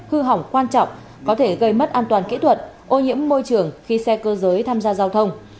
hư hỏng quan trọng có thể gây mất an toàn kỹ thuật ô nhiễm môi trường khi xe cơ giới tham gia giao thông